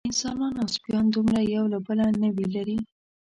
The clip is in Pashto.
انسانان او سپیان دومره یو له بله نه وي لېرې.